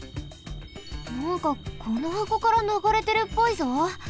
なんかこのはこからながれてるっぽいぞ。